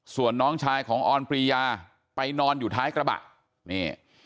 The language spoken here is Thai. ส่วนน้องชายของออนปรียาไปนอนอยู่ท้ายกระบะนี่